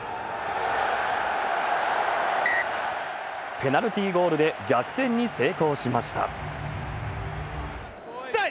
ペナルティーゴールで逆転に成功しました。